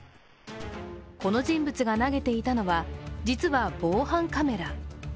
この人物が投げていたのは、実は防犯カメラ。